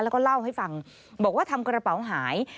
แล้วก็เล่าให้ฟังบอกว่าทำกระเป๋าหาย